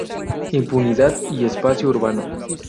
Impunidad y espacio urbano".